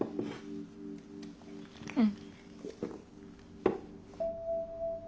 うん。